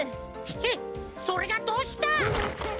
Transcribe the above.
へっそれがどうした！